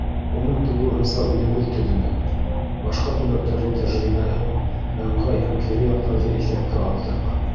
— Уны тулыһынса үҙебеҙ төҙөнөк, башҡа төбәктәрҙең тәжрибәһен, ыңғай һәм кире яҡтарҙы иҫәпкә алдыҡ.